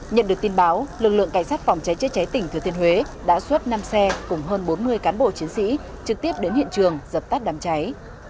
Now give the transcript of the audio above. nhận được tin báo lực lượng cảnh sát phòng cháy chữa cháy tỉnh thừa thiên huế đã xuất năm xe cùng hơn bốn mươi cán bộ chiến sĩ trực tiếp đến hiện trường dập tắt đám cháy